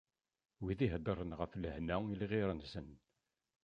Wid iheddren ɣef lehna i lɣir-nsen.